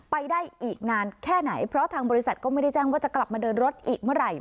ไปได้อีกนานแค่ไหนเพราะทางบริษัทก็ไม่ได้แจ้งว่าจะกลับมาเดินรถอีกเมื่อไหร่